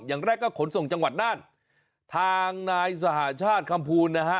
อย่างแรกก็ขนส่งจังหวัดน่านทางนายสหชาติคำภูลนะฮะ